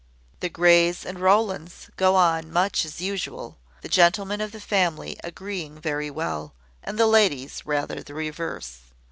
"The Greys and Rowlands go on much as usual, the gentlemen of the family agreeing very well, and the ladies rather the reverse.